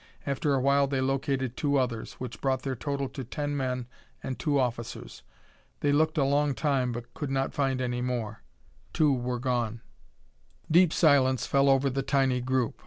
After a while they located two others, which brought their total to ten men and two officers. They looked a long time, but could not find any more. Two were gone. Deep silence fell over the tiny group.